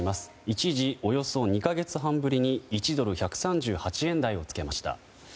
一時、およそ２か月半ぶりに１ドル＝１３８円台をつけました。